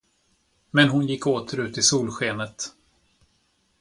Men hon gick åter ut i solskenet.